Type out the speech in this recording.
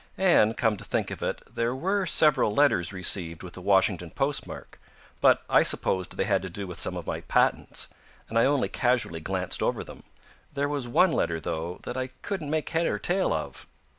"And, come to think of it, there were several letters received with the Washington postmark. But, I supposed they had to do with some of my patents, and I only casually glanced over them. There was one letter, though, that I couldn't make head or tail of."